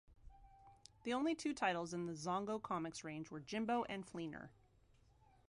The only two titles in the Zongo Comics range were "Jimbo" and "Fleener".